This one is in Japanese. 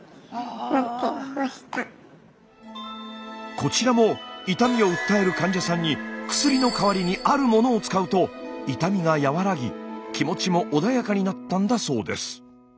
こちらも痛みを訴える患者さんにを使うと痛みが和らぎ気持ちも穏やかになったんだそうです。